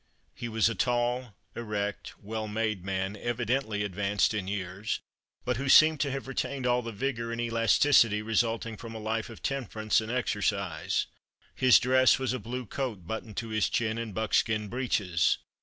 "He was a tall, erect, well made man, evidently advanced in years, but who seemed to have retained all the vigor and elasticity resulting from a life of temperance and exercise. His dress was a blue coat buttoned to his chin and buckskin breeches.